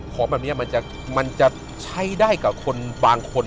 ของแบบนี้มันจะใช้ได้กับคนบางคน